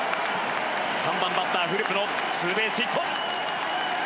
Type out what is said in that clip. ３番バッターフルプのツーベースヒット。